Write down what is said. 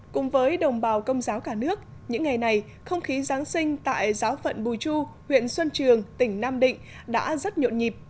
cùng với đồng bào công giáo cả nước những ngày này không khí giáng sinh tại giáo phận bùi chu huyện xuân trường tỉnh nam định đã rất nhộn nhịp